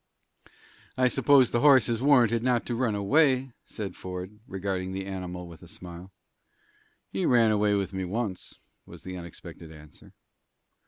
"I suppose the horse is warranted not to run away?" said Ford, regarding the animal with a smile. "He ran away with me once," was the unexpected answer.